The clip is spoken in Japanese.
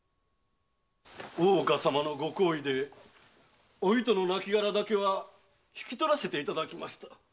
大岡様のご好意でお糸の亡き骸だけは引き取らせていただきました。